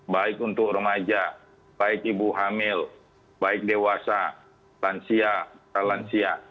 baik untuk remaja baik ibu hamil baik dewasa lansia lansia